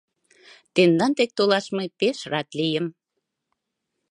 Тендан дек толаш мый пеш рат лийым.